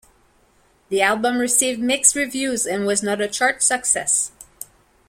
The album received mixed reviews and was not a chart success.